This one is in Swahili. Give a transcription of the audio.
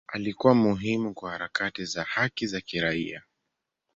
Alikuwa muhimu kwa harakati za haki za kiraia.